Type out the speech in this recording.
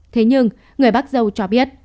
thế nhưng người bác dâu cho biết